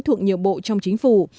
thuộc nhiều bộ trong chính phủ